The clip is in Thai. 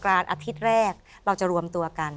อาทิตย์แรกเราจะรวมตัวกัน